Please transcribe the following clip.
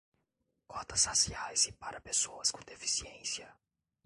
Cotas raciais e para pessoas com deficiência